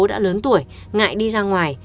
đã lớn tuổi ngại đi ra ngoài